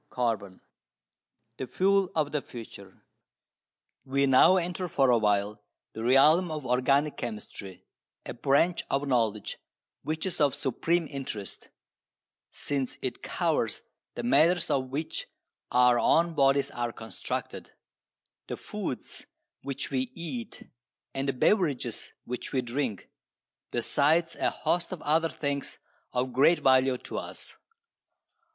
CHAPTER III THE FUEL OF THE FUTURE We now enter for a while the realm of organic chemistry, a branch of knowledge which is of supreme interest, since it covers the matters of which our own bodies are constructed, the foods which we eat and the beverages which we drink, besides a host of other things of great value to us.